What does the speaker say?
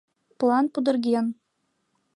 План пудырген...